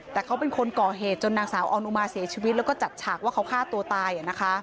แต่เขาเป็นคนก่อเหตุจนนางสาวออนุมาเสียชีวิตแล้วก็จัดฉากว่าเขาฆ่าตัวตาย